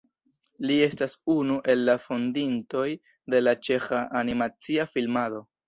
Li estas unu el la fondintoj de la ĉeĥa animacia filmado.